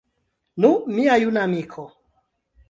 Nu, mia juna amiko!